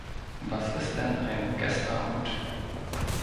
Was ist denn ein Gesslerhut?